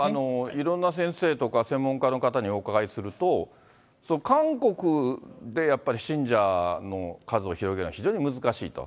いろんな先生とか、専門家の方にお伺いすると、韓国でやっぱり信者の数を広げるのは非常に難しいと。